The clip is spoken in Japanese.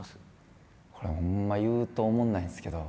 これほんま言うとおもんないんですけど。